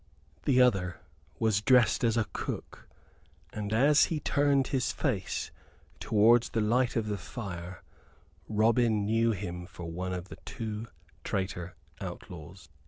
The other was dressed as a cook, and as he turned his face towards the light of the fire Robin knew him for one of the two traitor outlaws.